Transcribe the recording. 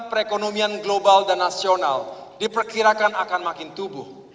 perekonomian global dan nasional diperkirakan akan makin tumbuh